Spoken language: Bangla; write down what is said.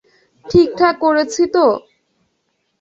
ঠিকঠাক করেছি তো?